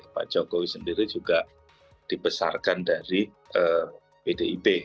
pak jokowi sendiri juga dibesarkan dari pdip